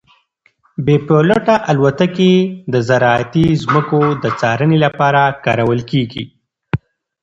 بې پیلوټه الوتکې د زراعتي ځمکو د څارنې لپاره کارول کیږي.